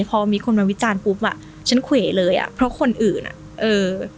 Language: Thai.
พอมีคนมาวิจารณ์ปุ๊บอ่ะฉันเขวเลยอ่ะเพราะคนอื่นอ่ะเออ